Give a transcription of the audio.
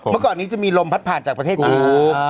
เมื่อก่อนนี้จะมีลมพัดผ่านจากประเทศจีน